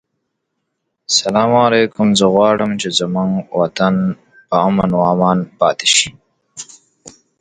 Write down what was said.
During this playoff series, the team was referred to as the Ontario Nationals.